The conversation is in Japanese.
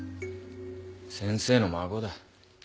先生の孫だ。